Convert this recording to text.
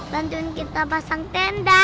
bantuin kita pasang tenda